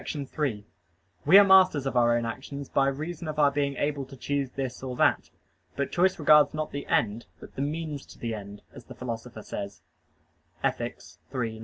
3: We are masters of our own actions by reason of our being able to choose this or that. But choice regards not the end, but "the means to the end," as the Philosopher says (Ethic. iii, 9).